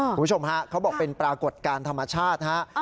คุณผู้ชมฮะเขาบอกเป็นปรากฏการณ์ธรรมชาตินะครับ